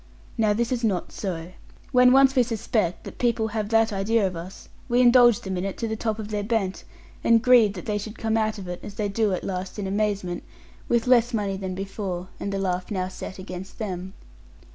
Now this is not so: when once we suspect that people have that idea of us, we indulge them in it to the top of their bent, and grieve that they should come out of it, as they do at last in amazement, with less money than before, and the laugh now set against them.